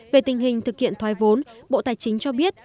về tình hình thực hiện thoái vốn bộ tài chính cho biết